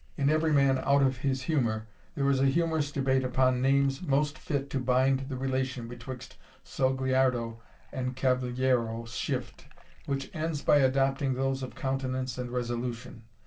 In Every Man out of his Humour, there is a humorous debate upon names most fit to bind the relation betwixt Sogliardo and Cavaliero Shift, which ends by adopting those of Countenance and Resolution.